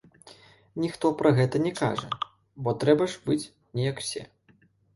Ніхто пра гэта не кажа, бо трэба ж быць не як усе.